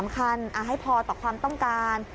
คันให้พอต่อความต้องการ